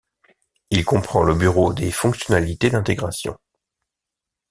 Il comprend le bureau des fonctionnalités d'intégration.